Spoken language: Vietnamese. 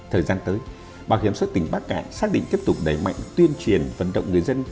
thời gian tới bảo hiểm xã tỉnh bắc cạn xác định tiếp tục đẩy mạnh tuyên truyền vận động người dân